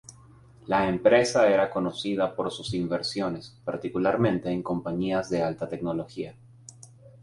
La empresa era conocida por sus inversiones, particularmente en compañías de alta tecnología.